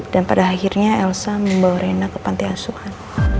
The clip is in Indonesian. dan pada akhirnya elsa membawa reina ke pantai aswan